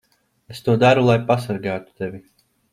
Es to daru, lai pasargātu tevi.